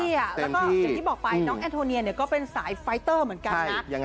แล้วก็อย่างที่บอกไปน้องแอนโทเนียก็เป็นสายไฟเตอร์เหมือนกันนะ